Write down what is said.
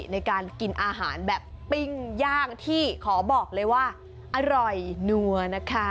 ในการกินอาหารแบบปิ้งย่างที่ขอบอกเลยว่าอร่อยนัวนะคะ